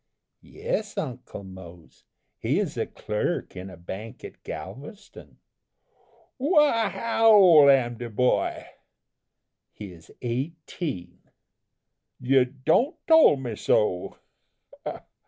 "Yes, Uncle Mose, he is a clerk in a bank at Galveston." "Why, how ole am de boy?" "He is eighteen." "You don't tole me so.